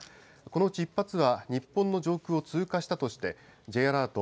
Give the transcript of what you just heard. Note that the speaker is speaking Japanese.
このうち１発は日本の上空を通過したとして、Ｊアラート